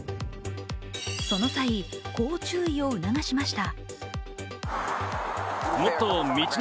その際、こう注意を促しました。